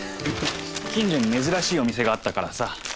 近所に珍しいお店があったからさ。